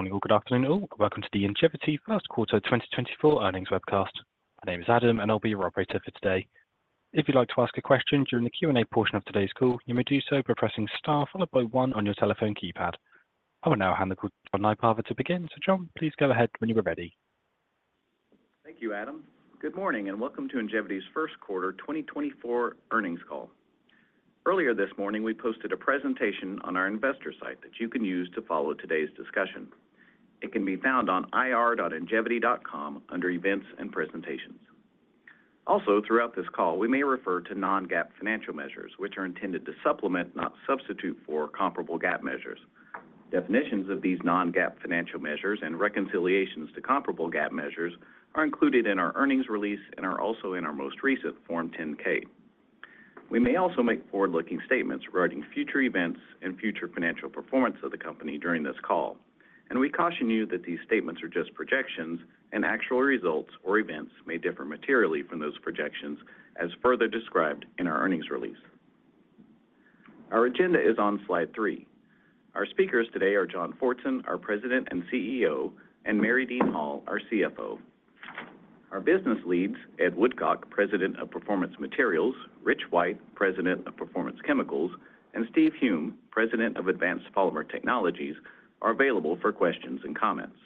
Good morning, all. Good afternoon, all. Welcome to the Ingevity First Quarter 2024 Earnings Webcast. My name is Adam, and I'll be your operator for today. If you'd like to ask a question during the Q&A portion of today's call, you may do so by pressing star followed by one on your telephone keypad. I will now hand the call to John Nypaver to begin. John, please go ahead when you are ready. Thank you, Adam. Good morning, and welcome to Ingevity's First Quarter 2024 Earnings Call. Earlier this morning, we posted a presentation on our investor site that you can use to follow today's discussion. It can be found on ir.ingevity.com under Events and Presentations. Also, throughout this call, we may refer to non-GAAP financial measures, which are intended to supplement, not substitute for, comparable GAAP measures. Definitions of these non-GAAP financial measures and reconciliations to comparable GAAP measures are included in our earnings release and are also in our most recent Form 10-K. We may also make forward-looking statements regarding future events and future financial performance of the company during this call, and we caution you that these statements are just projections, and actual results or events may differ materially from those projections, as further described in our earnings release. Our agenda is on slide three. Our speakers today are John Fortson, our President and CEO, and Mary Dean Hall, our CFO. Our business leads, Ed Woodcock, President of Performance Materials, Rich White, President of Performance Chemicals, and Steve Hulme, President of Advanced Polymer Technologies, are available for questions and comments.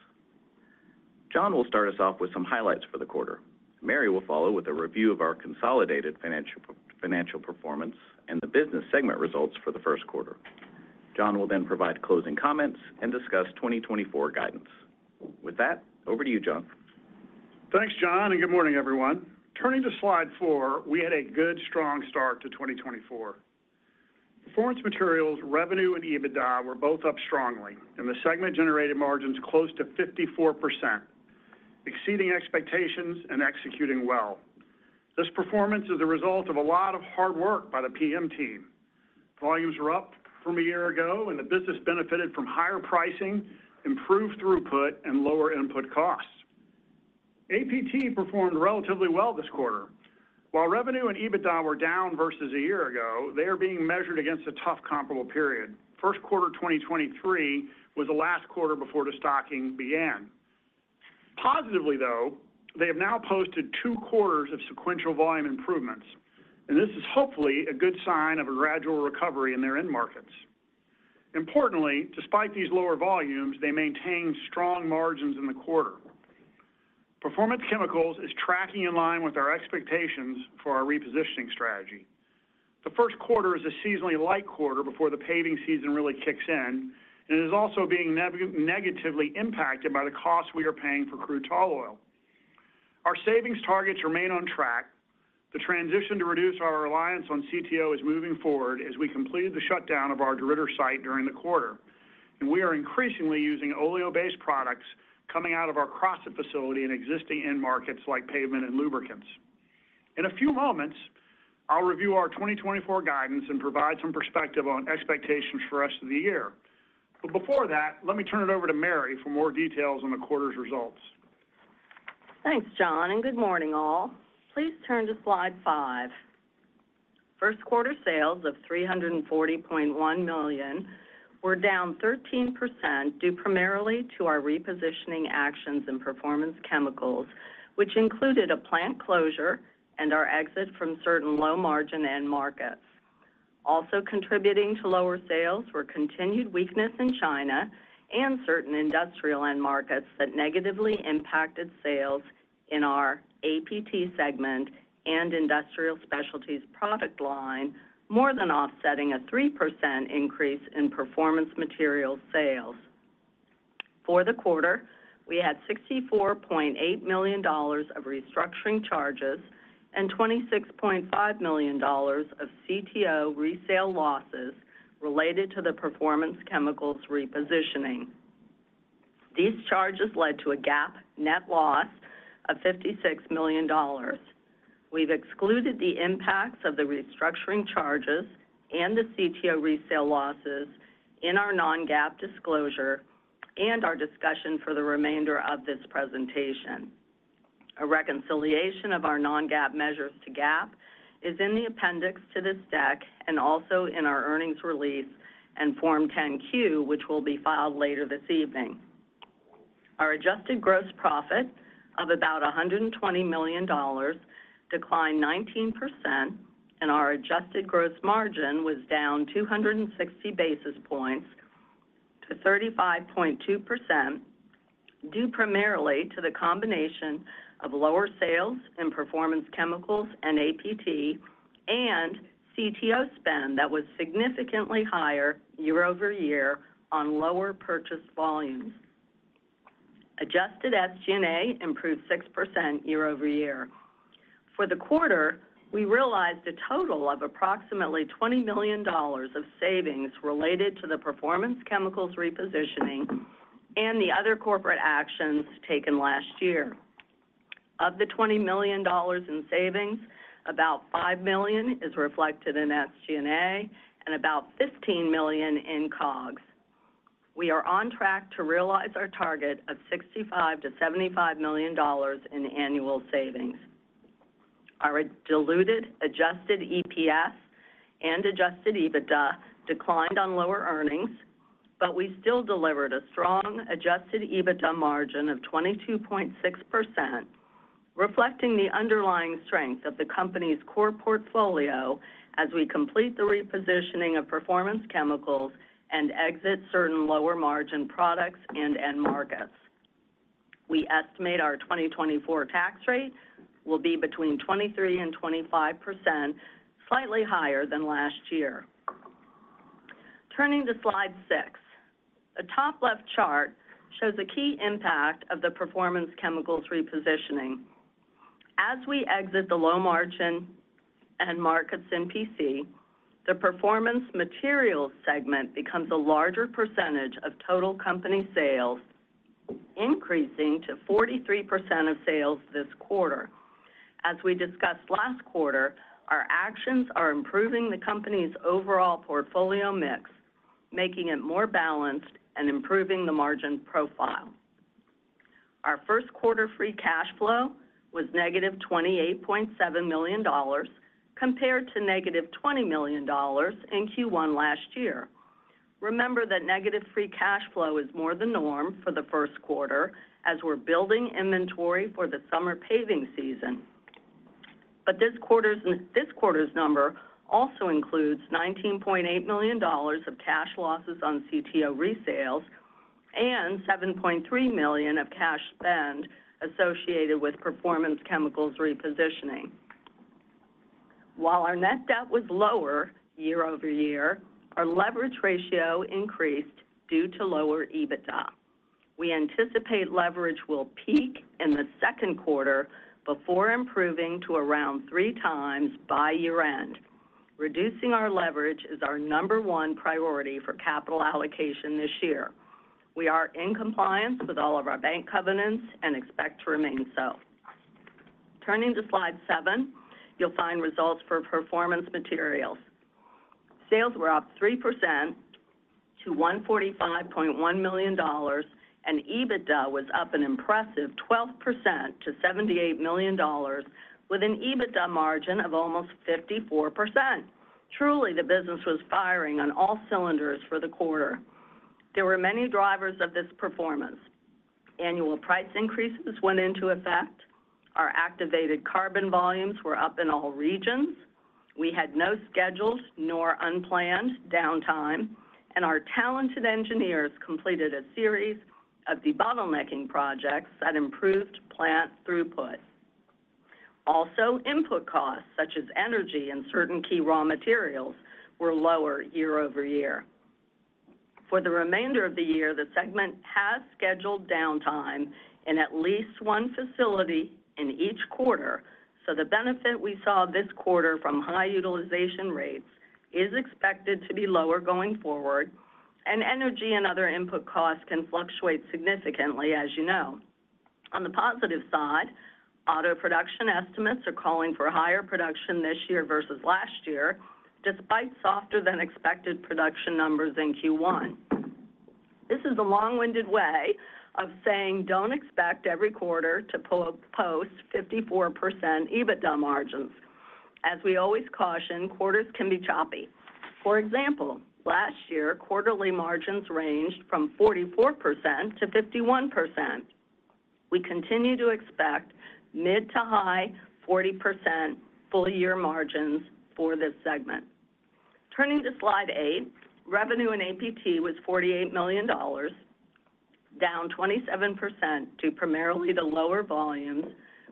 John will start us off with some highlights for the quarter. Mary will follow with a review of our consolidated financial performance and the business segment results for the first quarter. John will then provide closing comments and discuss 2024 guidance. With that, over to you, John. Thanks, John, and good morning, everyone. Turning to slide 4, we had a good, strong start to 2024. Performance Materials, revenue and EBITDA were both up strongly, and the segment-generated margin is close to 54%, exceeding expectations and executing well. This performance is a result of a lot of hard work by the PM team. Volumes were up from a year ago, and the business benefited from higher pricing, improved throughput, and lower input costs. APT performed relatively well this quarter. While revenue and EBITDA were down versus a year ago, they are being measured against a tough comparable period. First quarter 2023 was the last quarter before the stocking began. Positively, though, they have now posted two quarters of sequential volume improvements, and this is hopefully a good sign of a gradual recovery in their end markets. Importantly, despite these lower volumes, they maintained strong margins in the quarter. Performance Chemicals is tracking in line with our expectations for our repositioning strategy. The first quarter is a seasonally light quarter before the paving season really kicks in and is also being negatively impacted by the costs we are paying for crude tall oil. Our savings targets remain on track. The transition to reduce our reliance on CTO is moving forward as we completed the shutdown of our DeRidder site during the quarter, and we are increasingly using oleo-based products coming out of our Crossett facility in existing end markets like pavement and lubricants. In a few moments, I'll review our 2024 guidance and provide some perspective on expectations for the rest of the year. But before that, let me turn it over to Mary for more details on the quarter's results. Thanks, John, and good morning, all. Please turn to slide 5. First quarter sales of $340.1 million were down 13%, due primarily to our repositioning actions in Performance Chemicals, which included a plant closure and our exit from certain low-margin end markets. Also contributing to lower sales were continued weakness in China and certain industrial end markets that negatively impacted sales in our APT segment and industrial specialties product line, more than offsetting a 3% increase in Performance Materials sales. For the quarter, we had $64.8 million of restructuring charges and $26.5 million of CTO resale losses related to the Performance Chemicals repositioning. These charges led to a GAAP net loss of $56 million. We've excluded the impacts of the restructuring charges and the CTO resale losses in our non-GAAP disclosure and our discussion for the remainder of this presentation. A reconciliation of our non-GAAP measures to GAAP is in the appendix to this deck and also in our earnings release and Form 10-Q, which will be filed later this evening. Our adjusted gross profit of about $120 million declined 19%, and our adjusted gross margin was down 260 basis points to 35.2%, due primarily to the combination of lower sales in Performance Chemicals and APT and CTO spend that was significantly higher year-over-year on lower purchase volumes. Adjusted SG&A improved 6% year-over-year. For the quarter, we realized a total of approximately $20 million of savings related to the Performance Chemicals repositioning and the other corporate actions taken last year. Of the $20 million in savings, about $5 million is reflected in SG&A and about $15 million in COGS. We are on track to realize our target of $65 million-$75 million in annual savings. Our diluted adjusted EPS and adjusted EBITDA declined on lower earnings, but we still delivered a strong adjusted EBITDA margin of 22.6%, reflecting the underlying strength of the company's core portfolio as we complete the repositioning of Performance Chemicals and exit certain lower-margin products and end markets. We estimate our 2024 tax rate will be between 23% and 25%, slightly higher than last year. Turning to slide 6. The top left chart shows a key impact of the Performance Chemicals repositioning. As we exit the low-margin end markets in PC, the Performance Materials segment becomes a larger percentage of total company sales, increasing to 43% of sales this quarter. As we discussed last quarter, our actions are improving the company's overall portfolio mix, making it more balanced and improving the margin profile. Our first quarter free cash flow was negative $28.7 million, compared to negative $20 million in Q1 last year. Remember that negative free cash flow is more the norm for the first quarter as we're building inventory for the summer paving season. But this quarter's number also includes $19.8 million of cash losses on CTO resales and $7.3 million of cash spend associated with Performance Chemicals repositioning. While our net debt was lower year-over-year, our leverage ratio increased due to lower EBITDA. We anticipate leverage will peak in the second quarter before improving to around three times by year-end. Reducing our leverage is our number one priority for capital allocation this year. We are in compliance with all of our bank covenants and expect to remain so. Turning to slide 7, you'll find results for Performance Materials. Sales were up 3% to $145.1 million, and EBITDA was up an impressive 12% to $78 million, with an EBITDA margin of almost 54%. Truly, the business was firing on all cylinders for the quarter. There were many drivers of this performance. Annual price increases went into effect. Our activated carbon volumes were up in all regions. We had no scheduled nor unplanned downtime, and our talented engineers completed a series of debottlenecking projects that improved plant throughput. Also, input costs, such as energy and certain key raw materials, were lower year-over-year. For the remainder of the year, the segment has scheduled downtime in at least one facility in each quarter, so the benefit we saw this quarter from high utilization rates is expected to be lower going forward, and energy and other input costs can fluctuate significantly, as you know. On the positive side, auto production estimates are calling for higher production this year versus last year, despite softer than expected production numbers in Q1. This is a long-winded way of saying: Don't expect every quarter to post 54% EBITDA margins. As we always caution, quarters can be choppy. For example, last year, quarterly margins ranged from 44%-51%. We continue to expect mid- to high 40% full-year margins for this segment. Turning to slide 8, revenue in APT was $48 million, down 27% to primarily the lower volumes,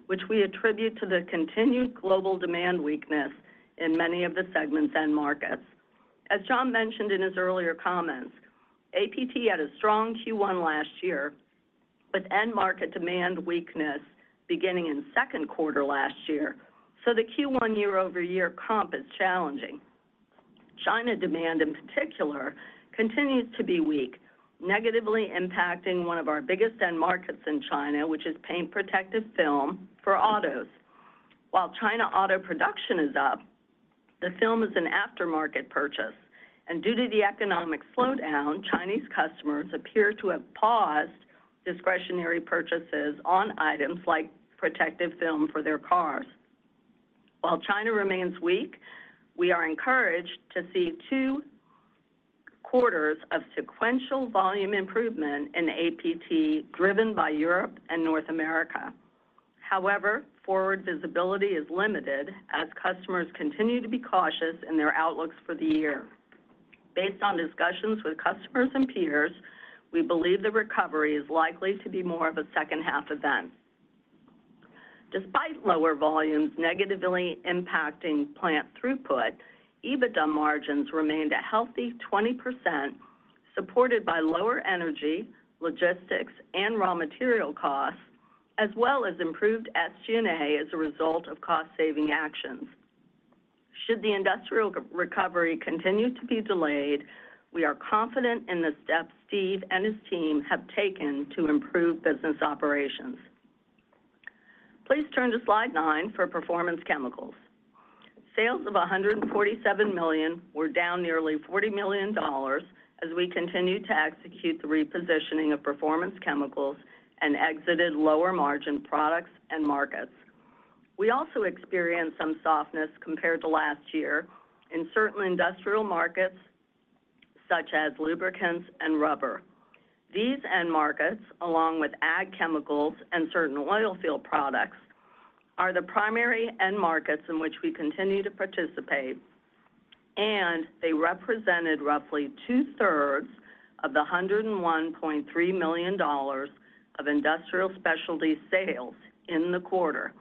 which we attribute to the continued global demand weakness in many of the segment's end markets. As John mentioned in his earlier comments, APT had a strong Q1 last year, but end market demand weakness beginning in the second quarter last year, so the Q1 year-over-year comp is challenging. China demand, in particular, continues to be weak, negatively impacting one of our biggest end markets in China, which is paint protective film for autos. While China auto production is up, the film is an aftermarket purchase, and due to the economic slowdown, Chinese customers appear to have paused discretionary purchases on items like protective film for their cars. While China remains weak, we are encouraged to see two quarters of sequential volume improvement in APT, driven by Europe and North America. However, forward visibility is limited as customers continue to be cautious in their outlooks for the year. Based on discussions with customers and peers, we believe the recovery is likely to be more of a second-half event. Despite lower volumes negatively impacting plant throughput, EBITDA margins remained a healthy 20%, supported by lower energy, logistics, and raw material costs, as well as improved SG&A as a result of cost-saving actions. Should the industrial recovery continue to be delayed, we are confident in the steps Steve and his team have taken to improve business operations. Please turn to slide 9 for Performance Chemicals. Sales of $147 million were down nearly $40 million as we continued to execute the repositioning of Performance Chemicals and exited lower-margin products and markets. We also experienced some softness compared to last year in certain industrial markets, such as lubricants and rubber. These end markets, along with ag chemicals and certain oil field products, are the primary end markets in which we continue to participate, and they represented roughly two-thirds of the $101.3 million of Industrial Specialties sales in the quarter.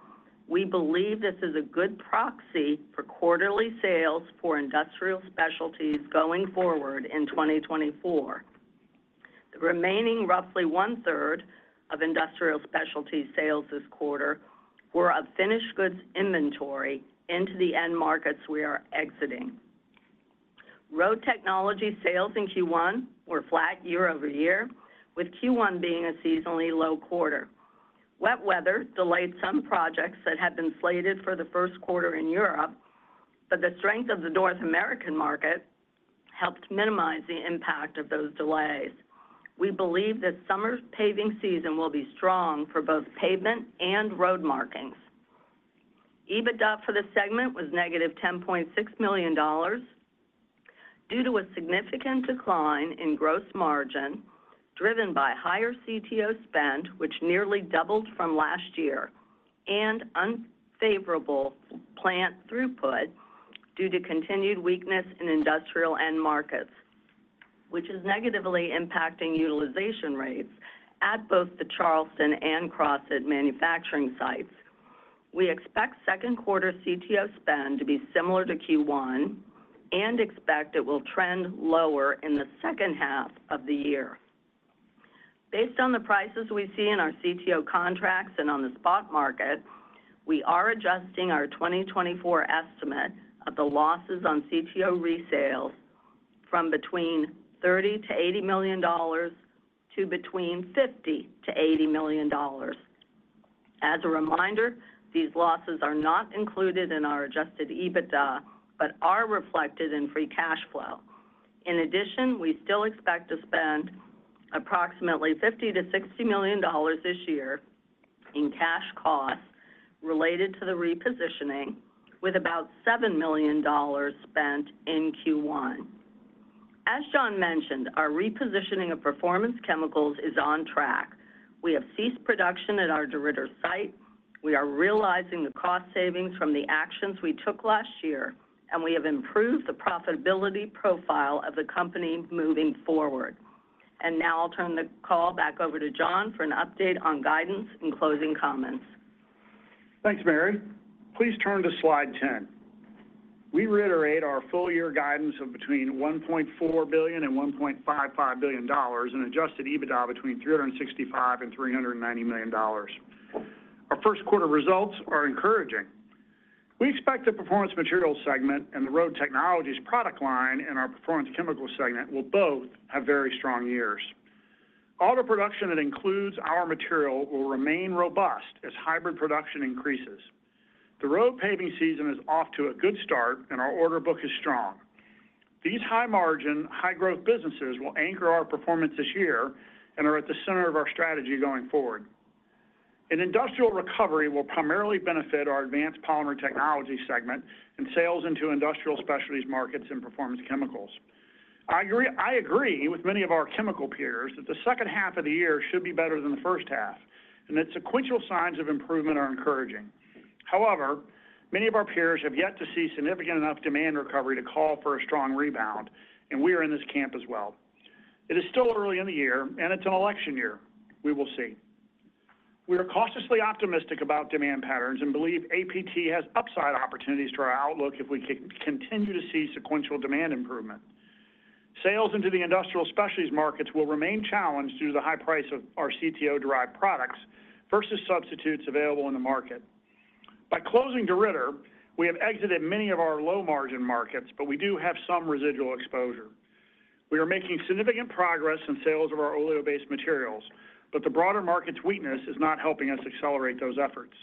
We believe this is a good proxy for quarterly sales for Industrial Specialties going forward in 2024. The remaining roughly one-third of Industrial Specialties sales this quarter were a finished goods inventory into the end markets we are exiting. Road Technologies sales in Q1 were flat year-over-year, with Q1 being a seasonally low quarter. Wet weather delayed some projects that had been slated for the first quarter in Europe, but the strength of the North American market helped minimize the impact of those delays. We believe that summer's paving season will be strong for both pavement and road markings. EBITDA for the segment was negative $10.6 million due to a significant decline in gross margin, driven by higher CTO spend, which nearly doubled from last year, and unfavorable plant throughput due to continued weakness in industrial end markets, which is negatively impacting utilization rates at both the Charleston and Crossett manufacturing sites. We expect second quarter CTO spend to be similar to Q1 and expect it will trend lower in the second half of the year. Based on the prices we see in our CTO contracts and on the spot market, we are adjusting our 2024 estimate of the losses on CTO resales from between $30 million-$80 million to between $50 million-$80 million. As a reminder, these losses are not included in our adjusted EBITDA, but are reflected in free cash flow. In addition, we still expect to spend approximately $50 million-$60 million this year in cash costs related to the repositioning, with about $7 million spent in Q1. As John mentioned, our repositioning of Performance Chemicals is on track. We have ceased production at our DeRidder site. We are realizing the cost savings from the actions we took last year, and we have improved the profitability profile of the company moving forward. Now I'll turn the call back over to John for an update on guidance and closing comments. Thanks, Mary. Please turn to slide 10. We reiterate our full year guidance of between $1.4 billion and $1.55 billion dollars in adjusted EBITDA between $365 million and $390 million dollars. Our first quarter results are encouraging. We expect the Performance Materials segment and the Road Technologies product line in our Performance Chemicals segment will both have very strong years. Auto production that includes our material will remain robust as hybrid production increases. The road paving season is off to a good start, and our order book is strong. These high-margin, high-growth businesses will anchor our performance this year and are at the center of our strategy going forward. An industrial recovery will primarily benefit our Advanced Polymer Technology segment and sales into Industrial Specialties markets and Performance Chemicals. I agree, I agree with many of our chemical peers that the second half of the year should be better than the first half and that sequential signs of improvement are encouraging. However, many of our peers have yet to see significant enough demand recovery to call for a strong rebound, and we are in this camp as well. It is still early in the year, and it's an election year. We will see. We are cautiously optimistic about demand patterns and believe APT has upside opportunities to our outlook if we continue to see sequential demand improvement. Sales into the Industrial Specialties markets will remain challenged due to the high price of our CTO-derived products versus substitutes available in the market. By closing DeRidder, we have exited many of our low-margin markets, but we do have some residual exposure. We are making significant progress in sales of our oleo-based materials, but the broader market's weakness is not helping us accelerate those efforts.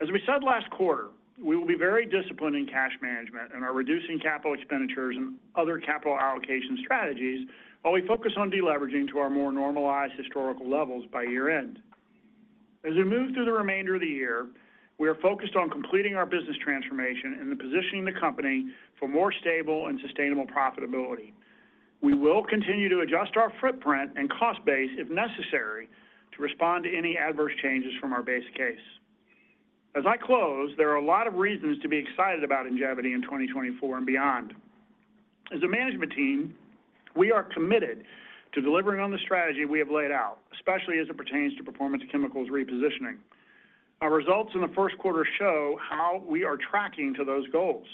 As we said last quarter, we will be very disciplined in cash management and are reducing capital expenditures and other capital allocation strategies while we focus on deleveraging to our more normalized historical levels by year-end. As we move through the remainder of the year, we are focused on completing our business transformation and positioning the company for more stable and sustainable profitability. We will continue to adjust our footprint and cost base, if necessary, to respond to any adverse changes from our base case. As I close, there are a lot of reasons to be excited about Ingevity in 2024 and beyond. As a management team, we are committed to delivering on the strategy we have laid out, especially as it pertains to Performance Chemicals repositioning. Our results in the first quarter show how we are tracking to those goals.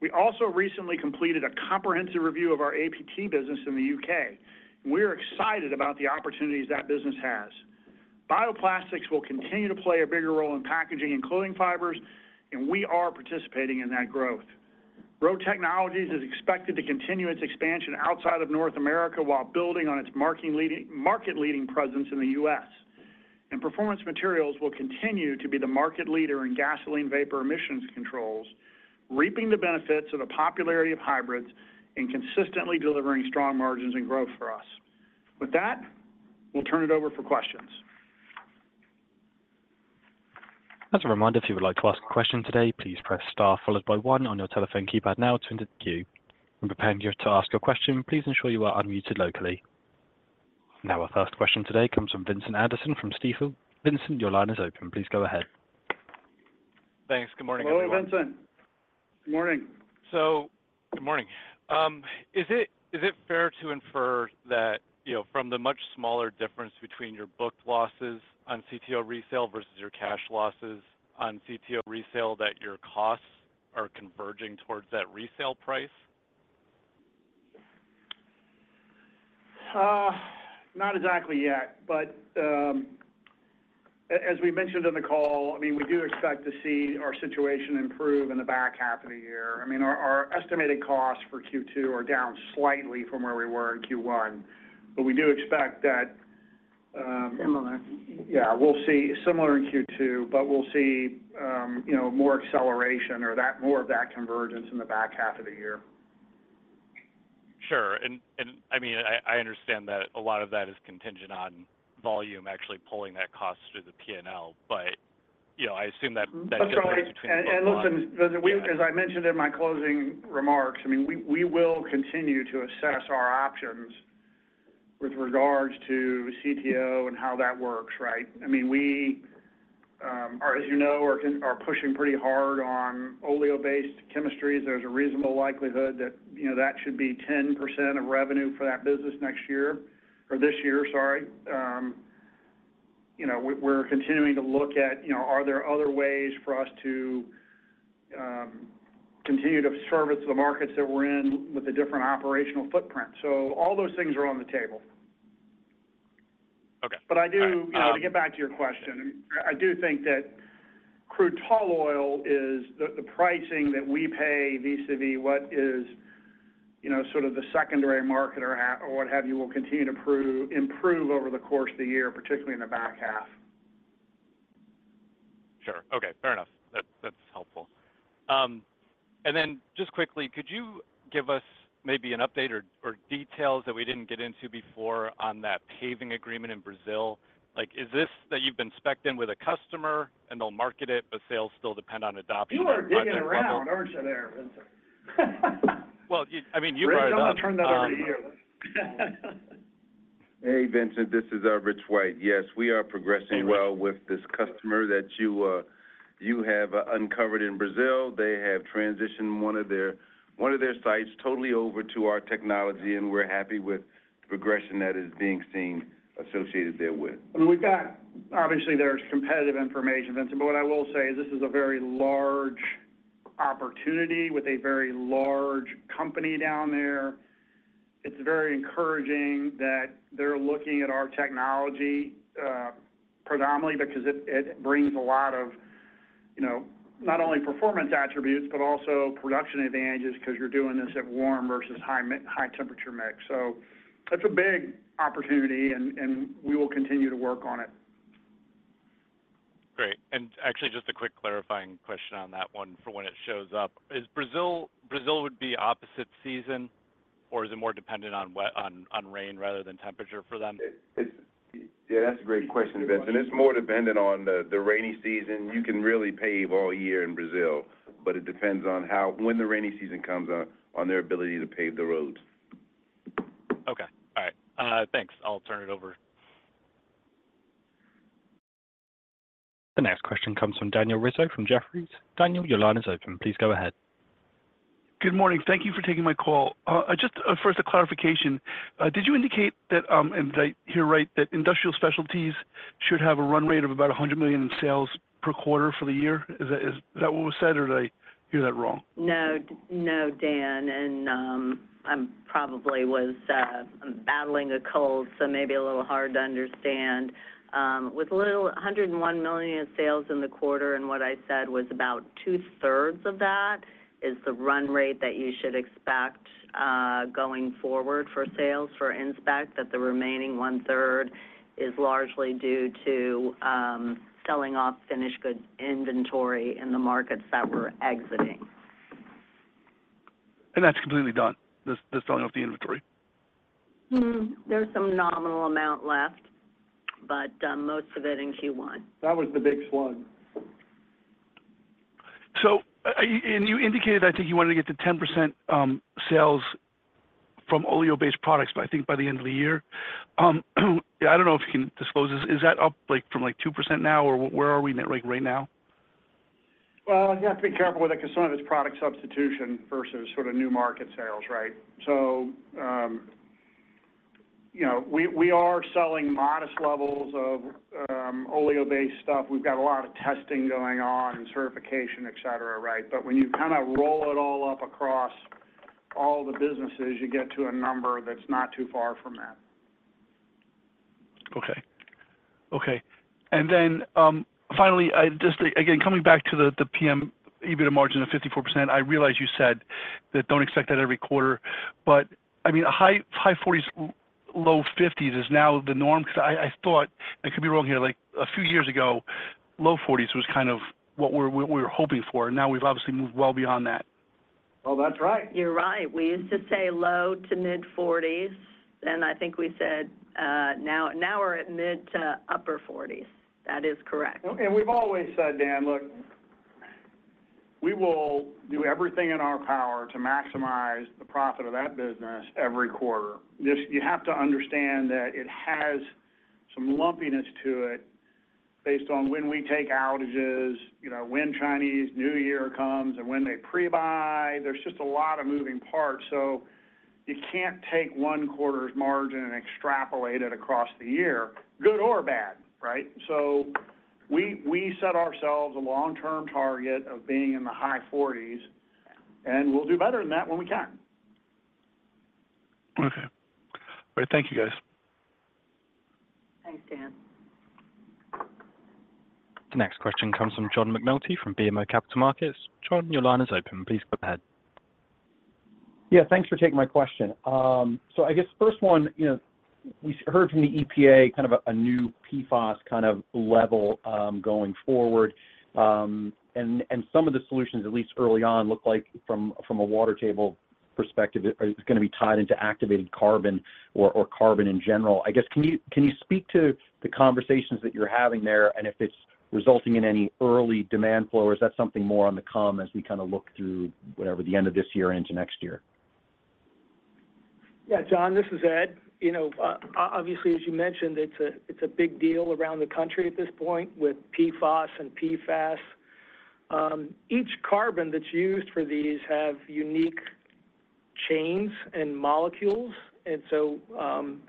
We also recently completed a comprehensive review of our APT business in the U.K. We are excited about the opportunities that business has. Bioplastics will continue to play a bigger role in packaging and clothing fibers, and we are participating in that growth. Road Technologies is expected to continue its expansion outside of North America while building on its market-leading presence in the U.S., and Performance Materials will continue to be the market leader in gasoline vapor emissions controls, reaping the benefits of the popularity of hybrids and consistently delivering strong margins and growth for us. With that, we'll turn it over for questions. As a reminder, if you would like to ask a question today, please press star followed by one on your telephone keypad now to enter the queue. When preparing to ask a question, please ensure you are unmuted locally. Now, our first question today comes from Vincent Anderson from Stifel. Vincent, your line is open. Please go ahead. Thanks. Good morning, everyone. Hello, Vincent. Good morning. Good morning. Is it, is it fair to infer that, you know, from the much smaller difference between your booked losses on CTO resale versus your cash losses on CTO resale, that your costs are converging towards that resale price? Not exactly yet, but, as we mentioned in the call, I mean, we do expect to see our situation improve in the back half of the year. I mean, our estimated costs for Q2 are down slightly from where we were in Q1, but we do expect that. Similar. Yeah, we'll see similar in Q2, but we'll see, you know, more acceleration or that more of that convergence in the back half of the year. Sure. And I mean, I understand that a lot of that is contingent on volume actually pulling that cost through the PNL, but, you know, I assume that- That's right. Yeah. Listen, as I mentioned in my closing remarks, I mean, we will continue to assess our options with regards to CTO and how that works, right? I mean, we are, as you know, pushing pretty hard on oleo-based chemistries. There's a reasonable likelihood that, you know, that should be 10% of revenue for that business next year or this year, sorry. You know, we're continuing to look at, you know, are there other ways for us to continue to service the markets that we're in with a different operational footprint? So all those things are on the table. Okay. But I do. You know, to get back to your question, I do think that crude tall oil is the pricing that we pay vis-à-vis what is, you know, sort of the secondary market or at, or what have you, will continue to improve over the course of the year, particularly in the back half. Sure. Okay. Fair enough. That, that's helpful. And then just quickly, could you give us maybe an update or, or details that we didn't get into before on that paving agreement in Brazil? Like, is this that you've been spec'd in with a customer, and they'll market it, but sales still depend on adopting- You are digging around, aren't you there, Vincent? Well, I mean, you brought it up. Rich, I'm going to turn that over to you. Hey, Vincent, this is Rich White. Yes, we are progressing well with this customer that you have uncovered in Brazil. They have transitioned one of their sites totally over to our technology, and we're happy with the progression that is being seen associated therewith. I mean, we've got obviously, there's competitive information, Vincent, but what I will say is this is a very large opportunity with a very large company down there. It's very encouraging that they're looking at our technology, predominantly because it, it brings a lot of, you know, not only performance attributes, but also production advantages because you're doing this at warm versus high mid-high temperature mix. So it's a big opportunity and, and we will continue to work on it. Great. And actually, just a quick clarifying question on that one for when it shows up: Is Brazil-- Brazil would be opposite season, or is it more dependent on rain rather than temperature for them? Yeah, that's a great question, Vincent. It's more dependent on the rainy season. You can really pave all year in Brazil, but it depends on how, when the rainy season comes on, on their ability to pave the roads. Okay. All right. Thanks. I'll turn it over. The next question comes from Daniel Rizzo from Jefferies. Daniel, your line is open. Please go ahead. Good morning. Thank you for taking my call. Just first a clarification, did you indicate that, and did I hear right, that Industrial Specialties should have a run rate of about $100 million in sales per quarter for the year? Is that, is that what was said, or did I hear that wrong? No, no, Dan, I'm probably was battling a cold, so maybe a little hard to understand. With $101 million in sales in the quarter, and what I said was about two-thirds of that is the run rate that you should expect going forward for sales for Ingevity, that the remaining one-third is largely due to selling off finished goods inventory in the markets that we're exiting. That's completely done, the selling off the inventory? Hmm, there's some nominal amount left, but, most of it in Q1. That was the big slug. And you indicated, I think, you wanted to get to 10% sales from Oleo-based products, but I think by the end of the year. I don't know if you can disclose this. Is that up, like, from, like, 2% now, or where are we at, like, right now? Well, you have to be careful with it because some of it is product substitution versus sort of new market sales, right? So, you know, we are selling modest levels of oleo-based stuff. We've got a lot of testing going on and certification, et cetera, right? But when you kinda roll it all up across all the businesses, you get to a number that's not too far from that. Okay. Okay. And then, finally, I just, again, coming back to the, the PM EBITDA margin of 54%, I realize you said that don't expect that every quarter. But I mean, high 40s, low 50s is now the norm? Because I, I thought, and I could be wrong here, like, a few years ago, low 40s was kind of what we're, we were hoping for, and now we've obviously moved well beyond that. Oh, that's right. You're right. We used to say low to mid-40s, and I think we said, now we're at mid- to upper 40s. That is correct. We've always said, Dan, look, we will do everything in our power to maximize the profit of that business every quarter. Just, you have to understand that it has some lumpiness to it based on when we take outages, you know, when Chinese New Year comes, and when they pre-buy. There's just a lot of moving parts, so you can't take one quarter's margin and extrapolate it across the year, good or bad, right? So we, we set ourselves a long-term target of being in the high 40s, and we'll do better than that when we can. Okay. All right, thank you, guys. Thanks, Dan. The next question comes from John McNulty from BMO Capital Markets. John, your line is open. Please go ahead. Yeah, thanks for taking my question. So I guess first one, you know, we heard from the EPA kind of a new PFAS kind of level going forward. And some of the solutions, at least early on, looked like from a water table perspective, it's gonna be tied into activated carbon or carbon in general. I guess, can you speak to the conversations that you're having there? And if it's resulting in any early demand flow, or is that something more on the come as we kind of look through, whatever, the end of this year and into next year? Yeah, John, this is Ed. You know, obviously, as you mentioned, it's a big deal around the country at this point with PFAS and PFAS. Each carbon that's used for these have unique chains and molecules, and so,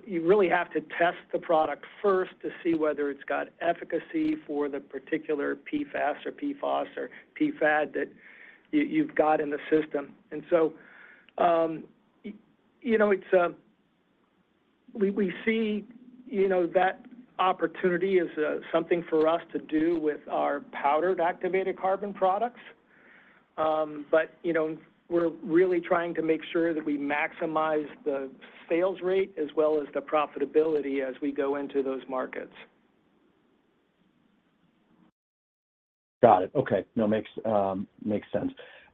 you really have to test the product first to see whether it's got efficacy for the particular PFAS or PFOS or PFOA that you've got in the system. And so, you know, it's, we see, you know, that opportunity as something for us to do with our powdered activated carbon products. But, you know, we're really trying to make sure that we maximize the sales rate as well as the profitability as we go into those markets. Got it. Okay. No, makes sense.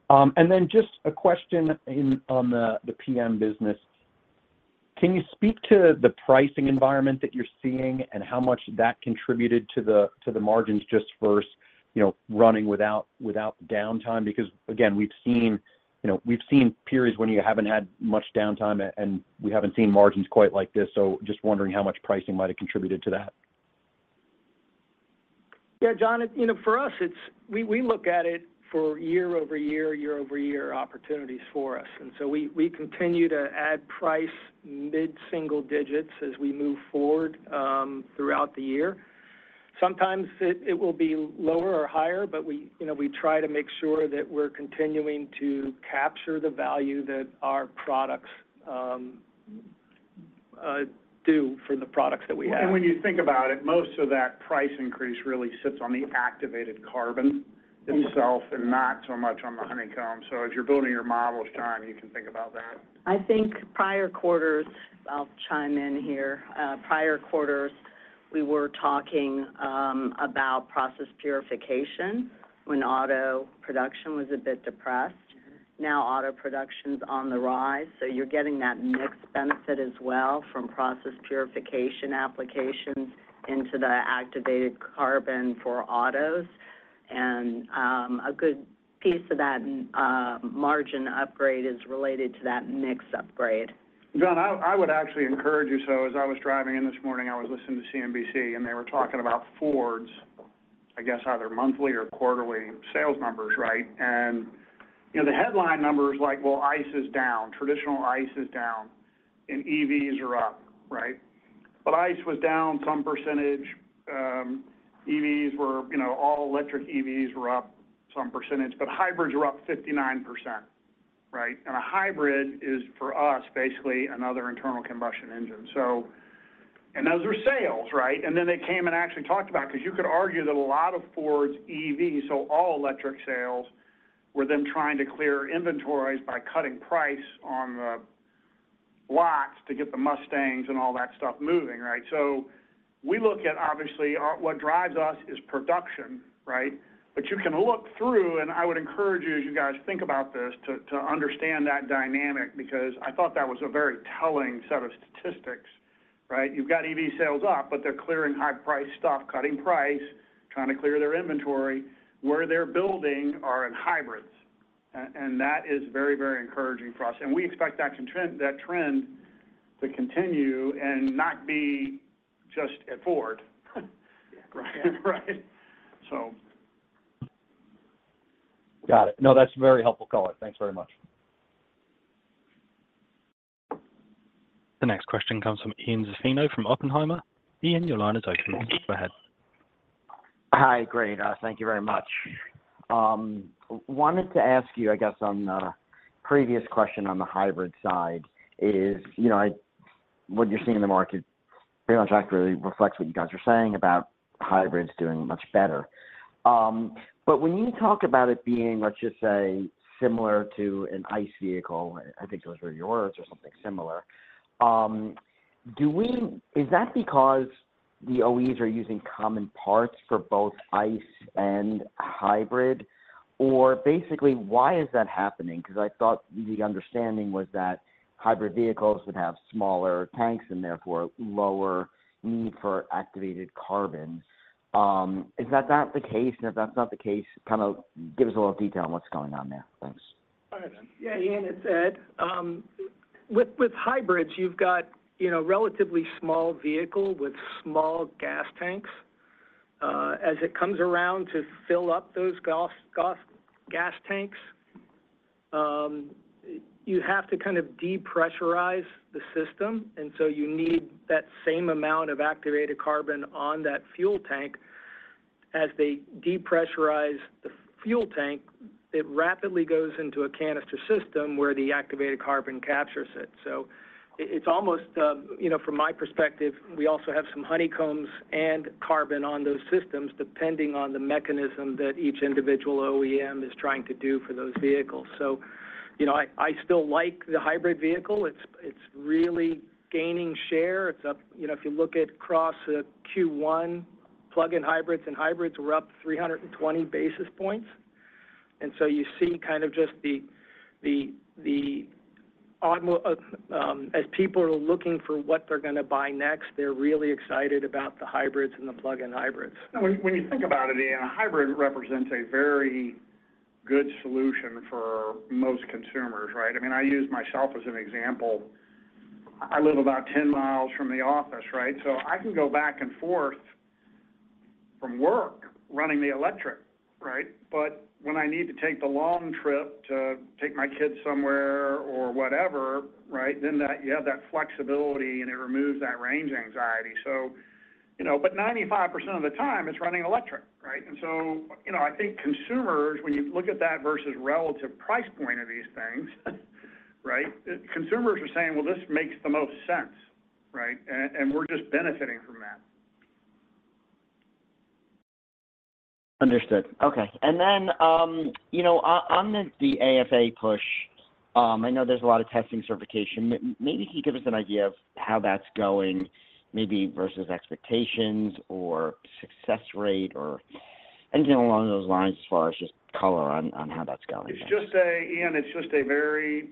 And then just a question on the PM business. Can you speak to the pricing environment that you're seeing and how much that contributed to the margins just versus, you know, running without downtime? Because, again, we've seen, you know, we've seen periods when you haven't had much downtime, and we haven't seen margins quite like this, so just wondering how much pricing might have contributed to that. Yeah, John. You know, for us, we look at it for year-over-year opportunities for us, and so we continue to add price mid-single digits as we move forward throughout the year. Sometimes it will be lower or higher, but you know, we try to make sure that we're continuing to capture the value that our products do for the products that we have. And when you think about it, most of that price increase really sits on the activated carbon itself- Mm-hmm... and not so much on the honeycomb. So as you're building your models, John, you can think about that. I think prior quarters, I'll chime in here. Prior quarters, we were talking about Process Purification when auto production was a bit depressed. Now, auto production's on the rise, so you're getting that mixed benefit as well from process purification applications into the activated carbon for autos. And a good piece of that margin upgrade is related to that mix upgrade. John, I, I would actually encourage you. So as I was driving in this morning, I was listening to CNBC, and they were talking about Ford's, I guess, either monthly or quarterly sales numbers, right? And, you know, the headline number is like, well, ICE is down. Traditional ICE is down and EVs are up, right? But ICE was down some percentage. EVs were, you know, all-electric EVs were up some percentage, but hybrids were up 59%, right? And a hybrid is, for us, basically another internal combustion engine. So... And those are sales, right? And then they came and actually talked about it, 'cause you could argue that a lot of Ford's EVs, so all-electric sales, were them trying to clear inventories by cutting price on the lots to get the Mustangs and all that stuff moving, right? So we look at, obviously, what drives us is production, right? But you can look through, and I would encourage you, as you guys think about this, to understand that dynamic because I thought that was a very telling set of statistics, right? You've got EV sales up, but they're clearing high-priced stock, cutting price, trying to clear their inventory. Where they're building are in hybrids, and that is very, very encouraging for us, and we expect that trend, that trend to continue and not be just at Ford. Yeah. Right? Right. So... Got it. No, that's a very helpful call. Thanks very much. The next question comes from Ian Zaffino from Oppenheimer. Ian, your line is open. Go ahead. Hi. Great, thank you very much. Wanted to ask you, I guess, on the previous question on the hybrid side is, you know, what you're seeing in the market pretty much accurately reflects what you guys are saying about hybrids doing much better. But when you talk about it being, let's just say, similar to an ICE vehicle, I think those were your words or something similar. Do we, is that because the OEs are using common parts for both ICE and hybrid? Or basically, why is that happening? Because I thought the understanding was that hybrid vehicles would have smaller tanks and therefore lower need for activated carbon. Is that not the case? And if that's not the case, kind of give us a little detail on what's going on there. Thanks. All right. Yeah, Ian, it's Ed. With hybrids, you've got, you know, relatively small vehicle with small gas tanks. As it comes around to fill up those gas tanks, you have to kind of depressurize the system, and so you need that same amount of activated carbon on that fuel tank. As they depressurize the fuel tank, it rapidly goes into a canister system where the activated carbon captures it. So it's almost, you know, from my perspective, we also have some honeycombs and carbon on those systems, depending on the mechanism that each individual OEM is trying to do for those vehicles. So, you know, I still like the hybrid vehicle. It's really gaining share. It's up. You know, if you look at across the Q1, plug-in hybrids and hybrids were up 320 basis points. So you see kind of just the auto as people are looking for what they're gonna buy next, they're really excited about the hybrids and the plug-in hybrids. When you think about it, Ian, a hybrid represents a very good solution for most consumers, right? I mean, I use myself as an example. I live about 10 miles from the office, right? So I can go back and forth from work running the electric, right? But when I need to take the long trip to take my kids somewhere or whatever, right, then you have that flexibility, and it removes that range anxiety. So, you know, but 95% of the time, it's running electric, right? And so, you know, I think consumers, when you look at that versus relative price point of these things, right, consumers are saying, "Well, this makes the most sense, right?" And we're just benefiting from that. Understood. Okay. And then, you know, on, on the AFA push, I know there's a lot of testing certification. Maybe can you give us an idea of how that's going, maybe versus expectations or success rate or anything along those lines as far as just color on, on how that's going? It's just a, Ian, it's just a very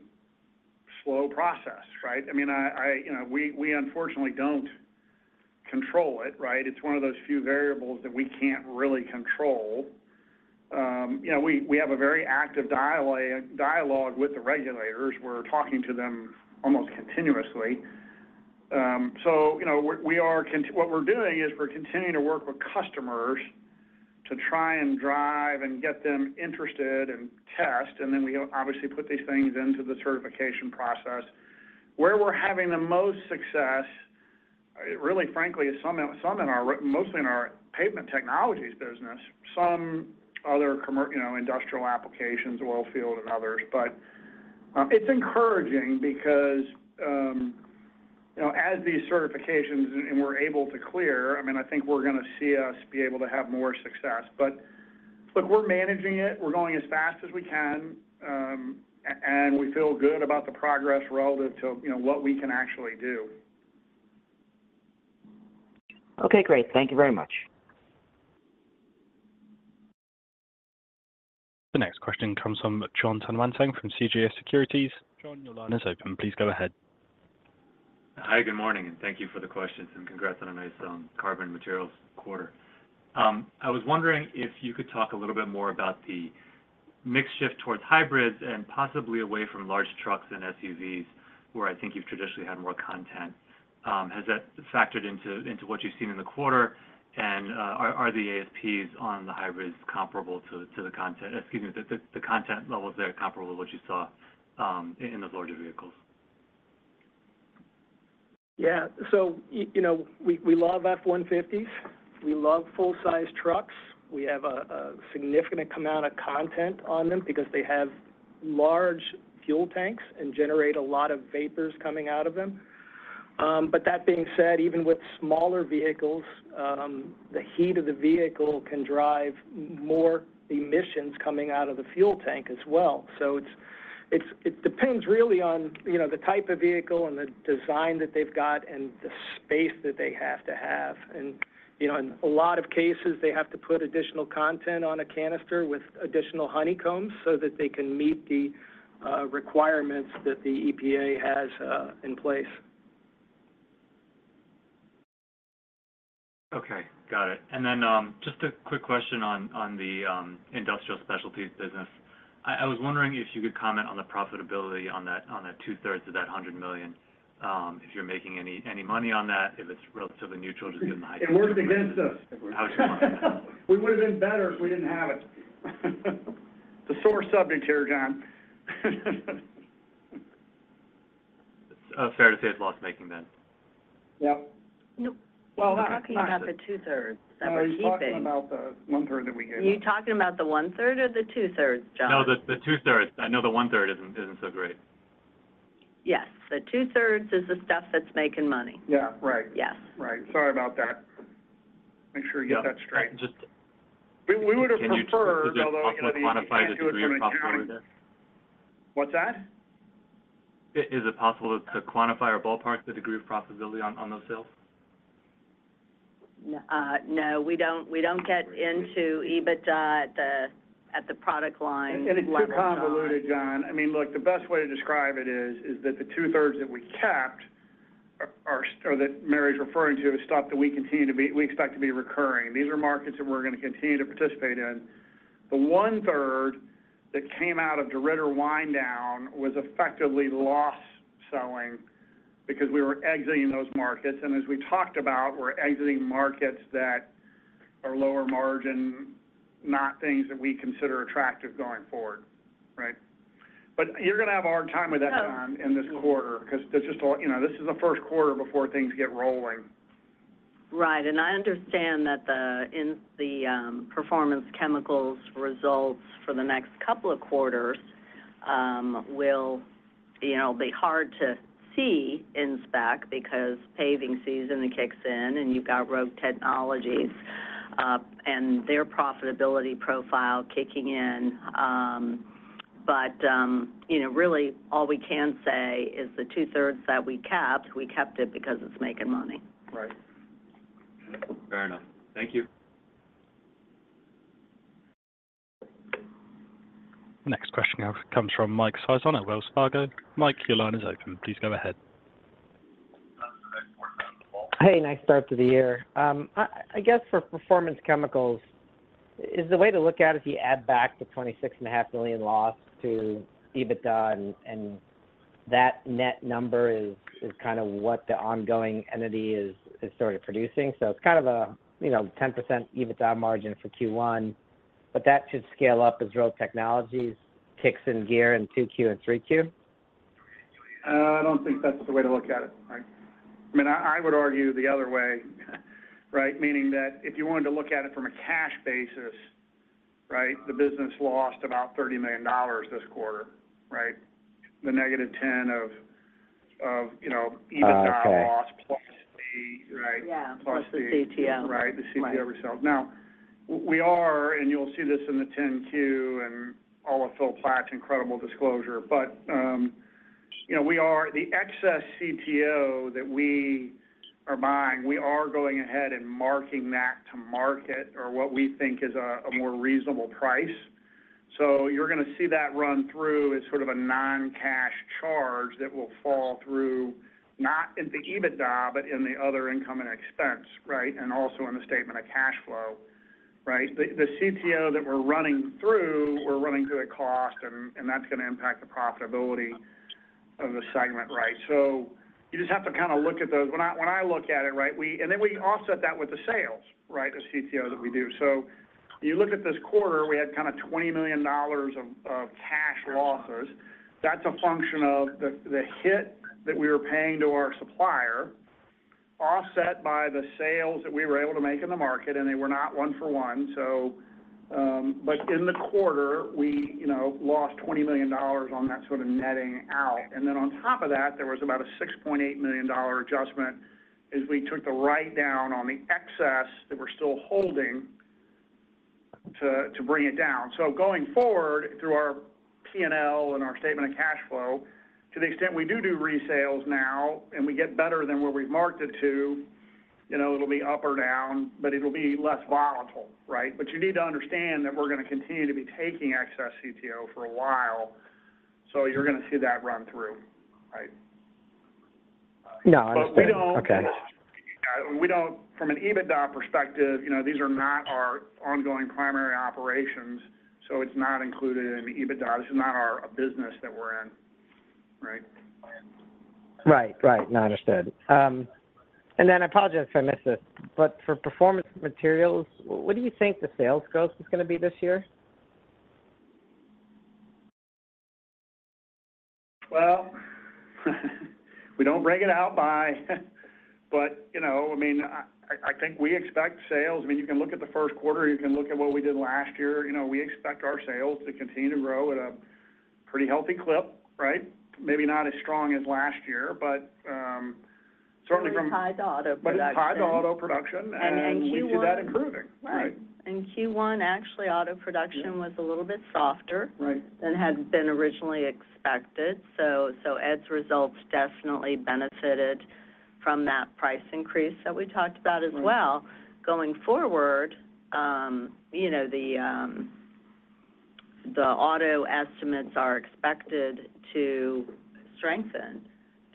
slow process, right? I mean, you know, we unfortunately don't control it, right? It's one of those few variables that we can't really control. You know, we have a very active dialogue with the regulators. We're talking to them almost continuously. So you know, what we're doing is we're continuing to work with customers to try and drive and get them interested and test, and then we obviously put these things into the certification process. Where we're having the most success, really, frankly, is some in our, mostly in our Pavement Technologies business, some other, you know, industrial applications, oil field and others. But, it's encouraging because, you know, as these certifications and we're able to clear, I mean, I think we're gonna see us be able to have more success. But look, we're managing it. We're going as fast as we can, and we feel good about the progress relative to, you know, what we can actually do. Okay, great. Thank you very much. The next question comes from Jon Tanwanteng from CJS Securities. John, your line is open. Please go ahead. Hi, good morning, and thank you for the questions, and congrats on a nice carbon materials quarter. I was wondering if you could talk a little bit more about the mix shift towards hybrids and possibly away from large trucks and SUVs, where I think you've traditionally had more content. Has that factored into what you've seen in the quarter? And, are the ASPs on the hybrids comparable to the content... Excuse me, the content levels there comparable to what you saw in those larger vehicles? Yeah. So, you know, we love F-150s. We love full-size trucks. We have a significant amount of content on them because they have large fuel tanks and generate a lot of vapors coming out of them. But that being said, even with smaller vehicles, the heat of the vehicle can drive more emissions coming out of the fuel tank as well. So it depends really on, you know, the type of vehicle and the design that they've got and the space that they have to have. And, you know, in a lot of cases, they have to put additional content on a canister with additional honeycombs so that they can meet the requirements that the EPA has in place. Okay, got it. And then, just a quick question on the Industrial Specialties business. I was wondering if you could comment on the profitability on that, on the two-thirds of that $100 million, if you're making any money on that, if it's relatively neutral, just given the high- It worked against us. How was your money? We would have been better if we didn't have it. It's a sore subject here, John. It's fair to say it's loss-making then?... Yep. Well- We're talking about the 2/3 that we're keeping. We're talking about the one-third that we gave up. Are you talking about the one-third or the two-thirds, John? No, the two-thirds. I know the one-third isn't so great. Yes. The two-thirds is the stuff that's making money. Yeah. Right. Yes. Right. Sorry about that. Make sure you get that straight. Just- We would have preferred, although, you know, you can't do it from an accounting- Is it possible to quantify the degree of profitability there? What's that? Is it possible to quantify or ballpark the degree of profitability on those sales? No, we don't, we don't get into EBITDA at the product line level, John. And it's too convoluted, John. I mean, look, the best way to describe it is that the two-thirds that we kept are, or that Mary's referring to, is stuff that we continue to be, we expect to be recurring. These are markets that we're gonna continue to participate in. The one-third that came out of DeRidder wind down was effectively loss selling because we were exiting those markets, and as we talked about, we're exiting markets that are lower margin, not things that we consider attractive going forward. Right? But you're gonna have a hard time with that, John, in this quarter, 'cause this is all... You know, this is the first quarter before things get rolling. Right. And I understand that the Performance Chemicals results for the next couple of quarters will, you know, be hard to see in spec because paving season kicks in, and you've got Road Technologies and their profitability profile kicking in. But, you know, really, all we can say is the two-thirds that we kept, we kept it because it's making money. Right. Fair enough. Thank you. Next question now comes from Mike Sison at Wells Fargo. Mike, your line is open. Please go ahead. Hey, nice start to the year. I guess for Performance Chemicals, is the way to look at it, if you add back the $26.5 million loss to EBITDA, and that net number is kind of what the ongoing entity is sort of producing. So it's kind of a, you know, 10% EBITDA margin for Q1, but that should scale up as Road Technologies kicks in gear in Q2 and Q3? I don't think that's the way to look at it, Mike. I mean, I would argue the other way, right? Meaning that if you wanted to look at it from a cash basis, right, the business lost about $30 million this quarter, right? The negative ten of, you know- Oh, okay... EBITDA loss plus the, right? Yeah. Plus the- Plus the CTO. Right, the CTO resales. Now, we are, and you'll see this in the 10-Q and all of Phil Platt's incredible disclosure, but, you know, we are—the excess CTO that we are buying, we are going ahead and marking that to market or what we think is a more reasonable price. So you're gonna see that run through as sort of a non-cash charge that will fall through, not in the EBITDA, but in the other income and expense, right? And also in the statement of cash flow, right? The CTO that we're running through, we're running through at cost, and that's gonna impact the profitability of the segment, right? So you just have to kind of look at those. When I look at it, right, we... And then we offset that with the sales, right, the CTO that we do. So you look at this quarter, we had kind of $20 million of cash losses. That's a function of the hit that we were paying to our supplier, offset by the sales that we were able to make in the market, and they were not one for one. So, but in the quarter, we, you know, lost $20 million on that sort of netting out. And then on top of that, there was about a $6.8 million adjustment as we took the write down on the excess that we're still holding to bring it down. So going forward, through our P&L and our statement of cash flow, to the extent we do resales now, and we get better than where we've marked it to, you know, it'll be up or down, but it'll be less volatile, right? But you need to understand that we're gonna continue to be taking excess CTO for a while, so you're gonna see that run through, right? No, I understand. But we don't- Okay. Yeah, we don't. From an EBITDA perspective, you know, these are not our ongoing primary operations, so it's not included in the EBITDA. This is not our, a business that we're in, right? Right. Right. No, understood. And then I apologize if I missed this, but for Performance Materials, what do you think the sales growth is gonna be this year? Well, we don't break it out by... But, you know, I mean, I, I think we expect sales. I mean, you can look at the first quarter, you can look at what we did last year. You know, we expect our sales to continue to grow at a pretty healthy clip, right? Maybe not as strong as last year, but, certainly from- It's tied to auto production. It's tied to auto production, and we see that improving. Right. Right. In Q1, actually, auto production was a little bit softer- Right... than had been originally expected. So, Ed's results definitely benefited from that price increase that we talked about as well. Right. Going forward, you know, the auto estimates are expected to strengthen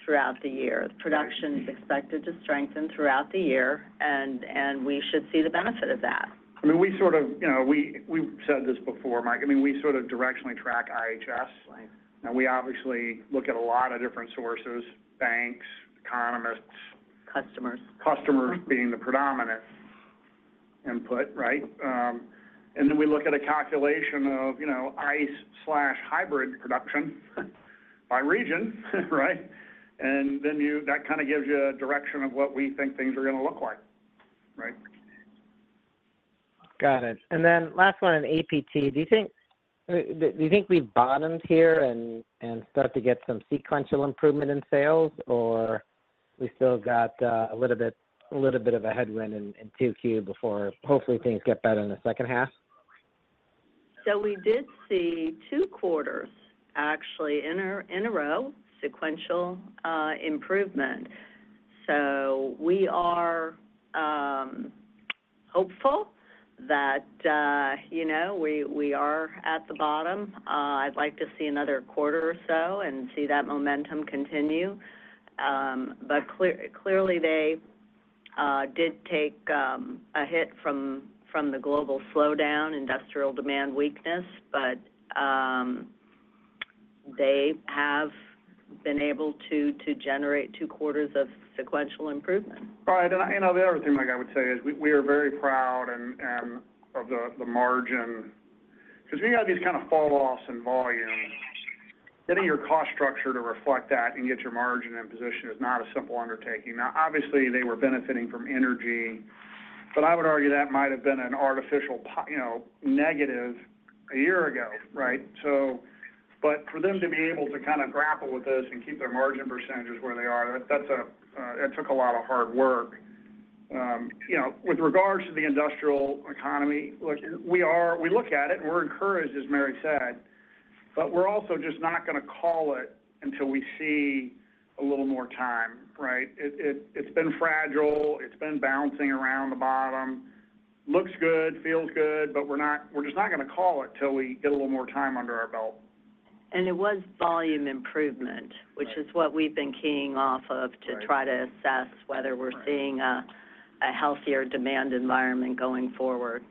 throughout the year. Right. Production is expected to strengthen throughout the year, and we should see the benefit of that. I mean, we sort of, you know, we, we've said this before, Mike. I mean, we sort of directionally track IHS. Right. We obviously look at a lot of different sources, banks, economists. Customers. Customers being the predominant input, right? And then we look at a calculation of, you know, ICE/hybrid production by region, right? And then that kind of gives you a direction of what we think things are gonna look like, right? Got it. And then last one on APT. Do you think we've bottomed here and start to get some sequential improvement in sales? Or we still got a little bit, a little bit of a headwind in 2Q before, hopefully, things get better in the second half? So we did see two quarters, actually, in a row, sequential improvement. So we are hopeful that, you know, we are at the bottom. I'd like to see another quarter or so and see that momentum continue. But clearly, they did take a hit from the global slowdown, industrial demand weakness, but they have been able to generate two quarters of sequential improvement. Right. And the other thing, like I would say, is we are very proud and of the margin, 'cause we have these kind of fall-offs in volume. Getting your cost structure to reflect that and get your margin in position is not a simple undertaking. Now, obviously, they were benefiting from energy, but I would argue that might have been an artificial you know, negative a year ago, right? So, but for them to be able to kind of grapple with this and keep their margin percentages where they are, that's. It took a lot of hard work. You know, with regards to the industrial economy, look, we look at it, and we're encouraged, as Mary said, but we're also just not gonna call it until we see a little more time, right? It's been fragile. It's been bouncing around the bottom. Looks good, feels good, but we're just not gonna call it till we get a little more time under our belt. It was volume improvement- Right... which is what we've been keying off of- Right... to try to assess whether we're seeing- Right... a healthier demand environment going forward.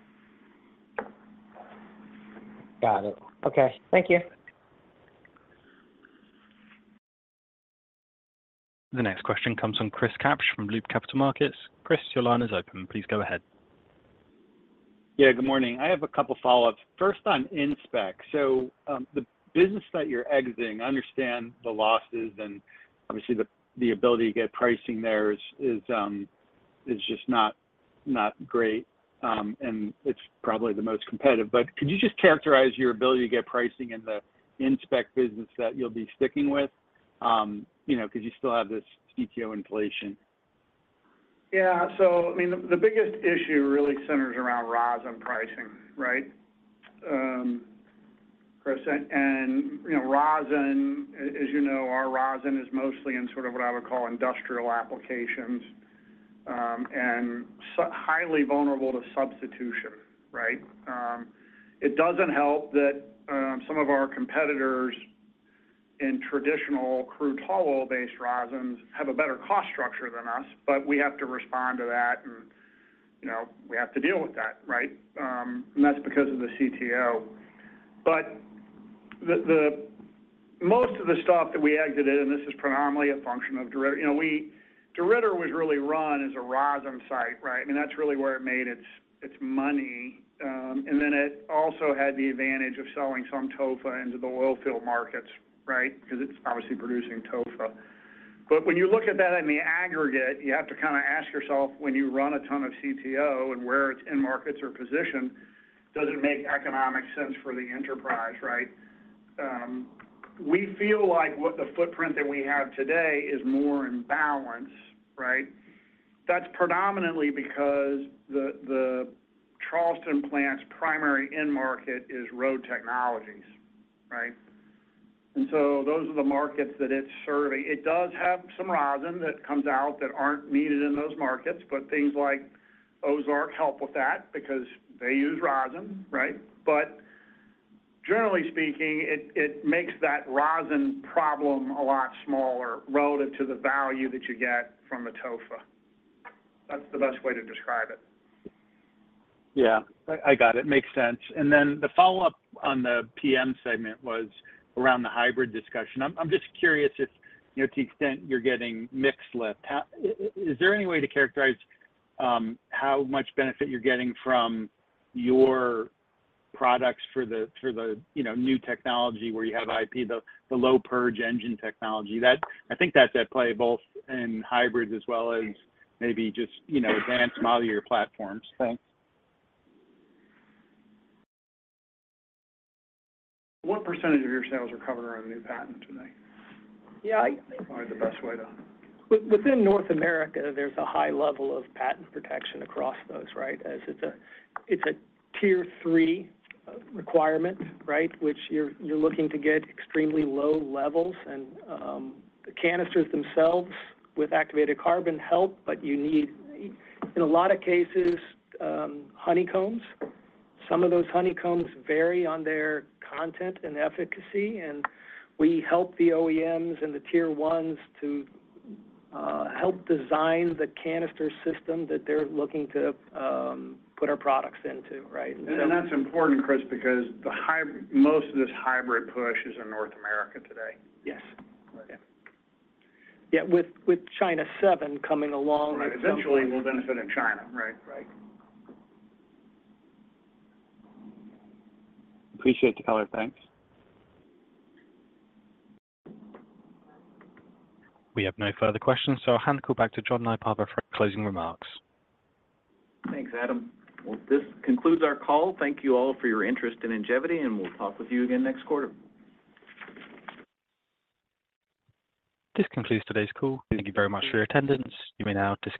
Got it. Okay. Thank you. The next question comes from Chris Kapsch from Loop Capital Markets. Chris, your line is open. Please go ahead. Yeah, good morning. I have a couple follow-ups. First, on Inspec. So, the business that you're exiting, I understand the losses and, obviously, the ability to get pricing there is just not great, and it's probably the most competitive. But could you just characterize your ability to get pricing in the Inspec business that you'll be sticking with? You know, 'cause you still have this CTO inflation. Yeah, so I mean, the biggest issue really centers around rosin pricing, right? Chris, and you know, rosin, as you know, our rosin is mostly in sort of what I would call industrial applications, and highly vulnerable to substitution, right? It doesn't help that some of our competitors in traditional crude tall oil-based rosins have a better cost structure than us, but we have to respond to that, and you know, we have to deal with that, right? And that's because of the CTO. But the most of the stuff that we exited, and this is predominantly a function of DeRidder. You know, DeRidder was really run as a rosin site, right? I mean, that's really where it made its money. And then it also had the advantage of selling some TOFA into the oil field markets, right? Because it's obviously producing TOFA. But when you look at that in the aggregate, you have to kind of ask yourself, when you run a ton of CTO and where its end markets are positioned, does it make economic sense for the enterprise, right? We feel like what the footprint that we have today is more in balance, right? That's predominantly because the Charleston plant's primary end market is Road Technologies, right? And so those are the markets that it's serving. It does have some rosin that comes out that aren't needed in those markets, but things like Ozark help with that because they use rosin, right? But generally speaking, it makes that rosin problem a lot smaller relative to the value that you get from a TOFA. That's the best way to describe it. Yeah. I got it. Makes sense. And then the follow-up on the PM segment was around the hybrid discussion. I'm just curious if, you know, to the extent you're getting mix lift, is there any way to characterize how much benefit you're getting from your products for the new technology where you have IP, the low purge engine technology? That. I think that's at play both in hybrids as well as maybe just, you know, advanced modular platforms. Thanks. What percentage of your sales are covered around the new patent today? Yeah, I- Probably the best way to- Within North America, there's a high level of patent protection across those, right? As it's a Tier 3 requirement, right? Which you're looking to get extremely low levels. And the canisters themselves with activated carbon help, but you need, in a lot of cases, honeycombs. Some of those honeycombs vary on their content and efficacy, and we help the OEMs and the tier ones to help design the canister system that they're looking to put our products into, right? That's important, Chris, because the most of this hybrid push is in North America today. Yes. Okay. Yeah, with China 7 coming along- Right. Eventually, we'll benefit in China, right? Right. Appreciate the color. Thanks. We have no further questions, so I'll hand it back to John Nypaver for closing remarks. Thanks, Adam. Well, this concludes our call. Thank you all for your interest in Ingevity, and we'll talk with you again next quarter. This concludes today's call. Thank you very much for your attendance. You may now disconnect.